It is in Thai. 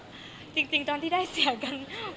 จริงคุยในห้องจริงตอนที่ได้เสียกัน